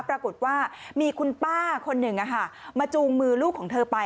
ปรากฏว่ามีคุณป้าคนหนึ่งมาจูงมือลูกของเธอไป